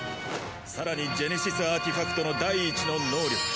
更にジェネシスアーティファクトの第１の能力。